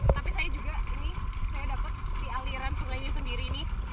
tapi saya juga ini saya dapat di aliran sungainya sendiri nih